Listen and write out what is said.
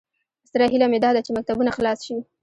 ستره هیله مې داده چې مکتبونه خلاص شي